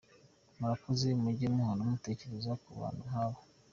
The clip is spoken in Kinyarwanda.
Murakoze mujye muhora mutekereza ku bantu nk’aba.